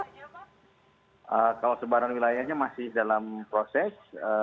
kalau sebaran wilayahnya masih dalam proses